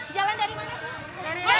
jalan dari mana